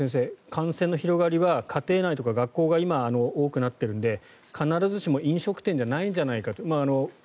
感染の広がりは家庭内とか学校が今、多くなっているので必ずしも飲食店じゃないんじゃないかと。